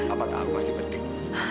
apakah aku pasti penting